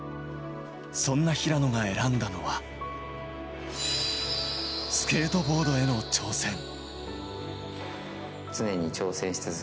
そんな平野が選んだのは、スケートボードへの挑戦。